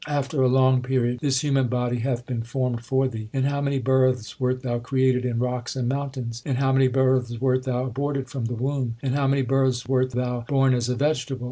After a long period this human body hath been formed for thee. In how many births wert thou created in rocks and moun tains ! In how many births wert thou aborted from the womb ! In how many births wert thou born as a vegetable